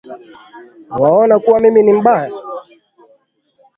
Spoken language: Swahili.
Waona kuwa mimi ni mbaya